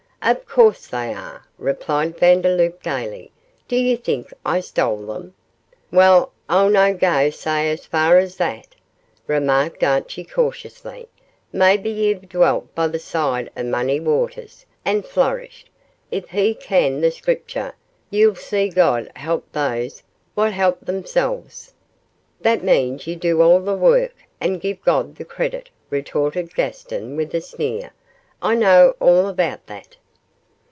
'Of course they are,' replied Vandeloup, gaily, 'do you think I stole them?' 'Weel, I'll no gae sa far as that,' remarked Archie, cautiously; 'maybe ye have dwelt by the side o' mony waters, an' flourished. If he ken the Screepture ye'll see God helps those wha help themselves.' 'That means you do all the work and give God the credit,' retorted Gaston, with a sneer; 'I know all about that.